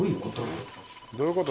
どういうこと？